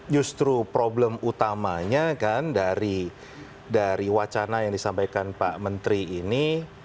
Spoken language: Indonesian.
justru problem utamanya kan dari wacana yang disampaikan pak menteri ini